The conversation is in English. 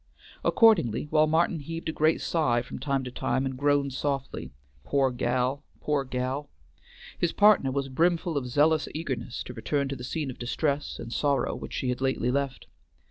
Accordingly, while Martin heaved a great sigh from time to time and groaned softly, "Pore gal pore gal!" his partner was brimful of zealous eagerness to return to the scene of distress and sorrow which she had lately left.